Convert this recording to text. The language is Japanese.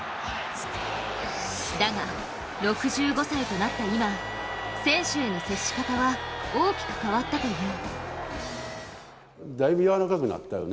だが、６５歳となった今選手への接し方は、大きく変わったという。